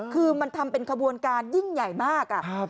คือมันทำเป็นขบวนการยิ่งใหญ่มาก